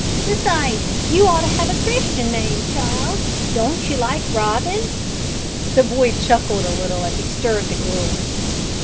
Besides, you ought to have a Christian name, child. Don't you like Robin?" The boy chuckled a little as he stirred the gruel.